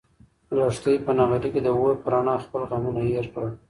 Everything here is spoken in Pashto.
لښتې په نغري کې د اور په رڼا خپل غمونه هېر کړل.